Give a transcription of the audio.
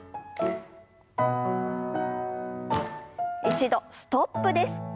一度ストップです。